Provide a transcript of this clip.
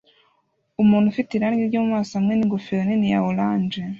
Umuntu ufite irangi ryo mumaso hamwe ningofero nini ya orange